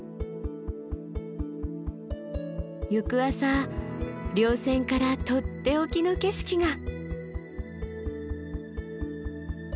翌朝稜線からとっておきの景色が。